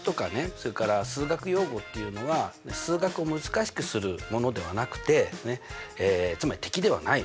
それから数学用語っていうのは数学を難しくするものではなくてつまり敵ではないの。